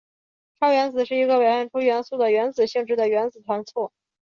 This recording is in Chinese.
超原子是一个表现出元素的原子性质的原子团簇。